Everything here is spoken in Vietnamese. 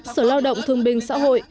sở lao động thương binh xã hội